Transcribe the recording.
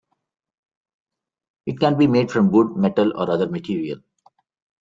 It can be made from wood, metal or other material.